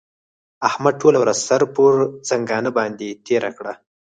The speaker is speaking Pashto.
احمد ټوله ورځ سر پر ځنګانه باندې تېره کړه.